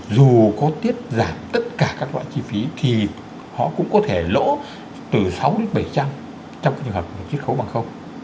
dù có tiết giảm tất cả các loại chi phí thì họ cũng có thể lỗ từ sáu đến bảy trăm linh trong trường hợp chích khấu bằng không